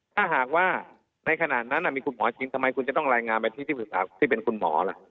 ถ้าหากว่าในขณะนั้นมีคุณหมอจริงทำไมคุณจะต้องรายงานไปที่ที่ปรึกษาที่เป็นคุณหมอล่ะ